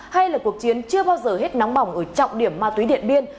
hay là cuộc chiến chưa bao giờ hết nóng bỏng ở trọng điểm ma túy điện biên